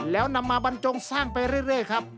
แล้วนำมาบรรจงสร้างไปเรื่อยครับ